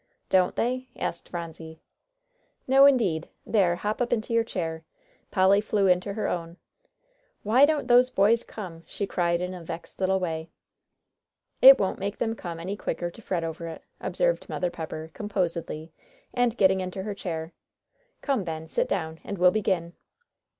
"Don't they?" asked Phronsie. "No, indeed; there, hop up into your chair." Polly flew into her own. "Why don't those boys come?" she cried in a vexed little way. "It won't make them come any quicker to fret over it," observed Mother Pepper, composedly, and getting into her chair. "Come, Ben, sit down, and we'll begin."